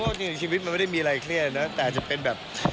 เราก็คิดว่าว่าชีวิตมันไม่ได้มีอะไรเครียดเนอะ